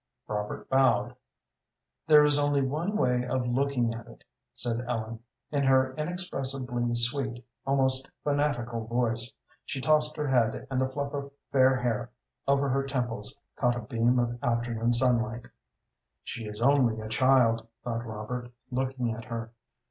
Robert bowed. "There is only one way of looking at it," said Ellen, in her inexpressibly sweet, almost fanatical voice. She tossed her head, and the fluff of fair hair over her temples caught a beam of afternoon sunlight. "She is only a child," thought Robert, looking at her.